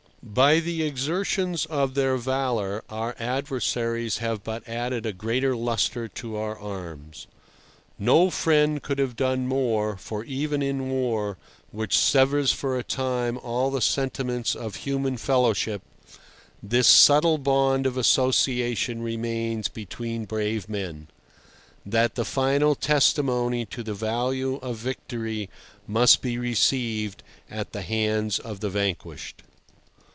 By the exertions of their valour our adversaries have but added a greater lustre to our arms. No friend could have done more, for even in war, which severs for a time all the sentiments of human fellowship, this subtle bond of association remains between brave men—that the final testimony to the value of victory must be received at the hands of the vanquished.